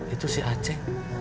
itu si aceh